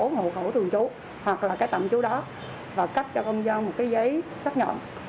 hộ khẩu thường trú hoặc là cái tạm trú đó và cấp cho công dân một cái giấy xác nhận